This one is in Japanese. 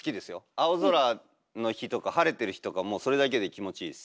青空の日とか晴れてる日とかもうそれだけで気持ちいいです。